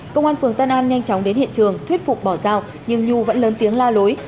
công an phường tân an nhanh chóng đến hiện trường thuyết phục bỏ dao nhưng nhu vẫn lớn tiếng la lối